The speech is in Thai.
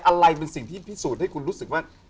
อะไรเป็นสิ่งที่พิสูจน์ให้คุณรู้สึกว่า